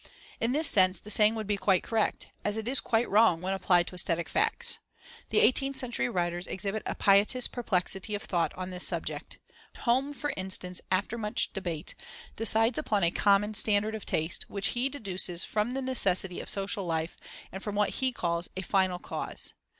In this sense, the saying would be quite correct, as it is quite wrong when applied to aesthetic facts. The eighteenth century writers exhibit a piteous perplexity of thought on this subject. Home, for instance, after much debate, decides upon a common "standard of taste," which he deduces from the necessity of social life and from what he calls "a final cause."